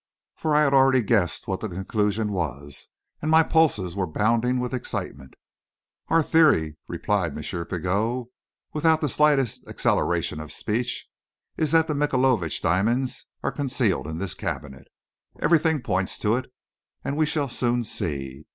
For I had already guessed what the conclusion was, and my pulses were bounding with excitement. "Our theory," replied M. Pigot, without the slightest acceleration of speech, "is that the Michaelovitch diamonds are concealed in this cabinet. Everything points to it and we shall soon see."